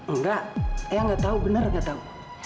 enggak ya nggak tahu benar nggak tahu